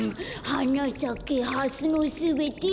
「はなさけハスのすべて」